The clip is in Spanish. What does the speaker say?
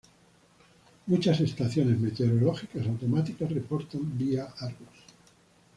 Muchas estaciones meteorológicas automáticas reportan vía Argos.